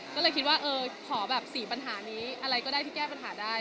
ก็เลยคิดว่าเออขอแบบ๔ปัญหานี้อะไรก็ได้ที่แก้ปัญหาได้